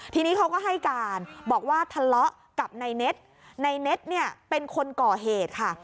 ทีนี้เขาก็ให้การบอกว่าทะเลาะกับนายเน็ตในเน็ตเนี่ยเป็นคนก่อเหตุค่ะ